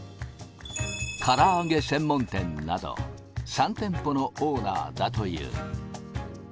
から揚げ専門店など、３店舗のオーナーだという。